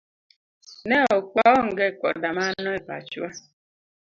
Ne ok waonge koda mano e pachwa.